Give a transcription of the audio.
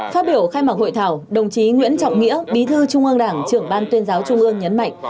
phát biểu khai mạc hội thảo đồng chí nguyễn trọng nghĩa bí thư trung ương đảng trưởng ban tuyên giáo trung ương nhấn mạnh